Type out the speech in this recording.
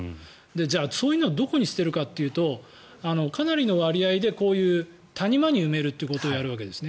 じゃあそういうのをどこに捨てるかっていうとかなりの割合でこういう谷間に埋めるということをやるわけですね。